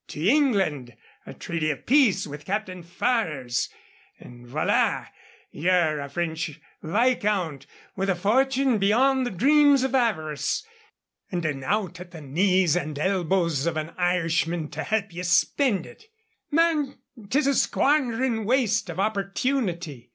To England, a treaty of peace with Captain Ferrers, and, voilà! ye're a French viscount, with a fortune beyond the dreams of avarice, and an out at the knees and elbows of an Irishman to help ye spend it. Man, 'tis a squanderin' waste of opportunity."